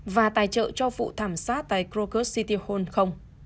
và tài trợ cho vụ thảm sát tại krakow city hall không